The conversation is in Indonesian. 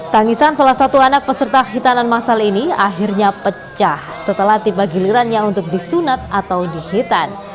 tangisan salah satu anak peserta hitanan masal ini akhirnya pecah setelah tiba gilirannya untuk disunat atau dihitan